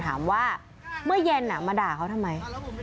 ถามว่าเมื่อเย็นมาด่าเขาทำไม